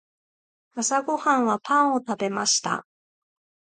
朝ごはんはパンを食べました。